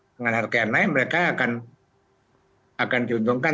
dengan harga yang naik mereka akan diuntungkan